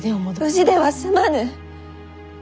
無事では済まぬ！